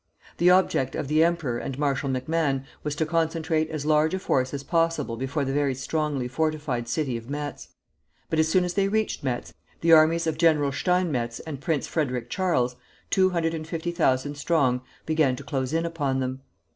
The object of the emperor and Marshal MacMahon was to concentrate as large a force as possible before the very strongly fortified city of Metz. But as soon as they reached Metz the armies of General Steinmetz and Prince Frederic Charles, two hundred and fifty thousand strong, began to close in upon them.